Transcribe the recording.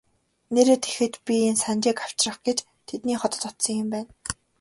Нээрээ тэгэхэд би энэ Санжийг авчрах гэж тэдний хотод очсон юм байна.